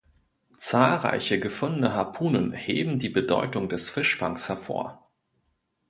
Zahlreiche gefundene Harpunen heben die Bedeutung des Fischfangs hervor.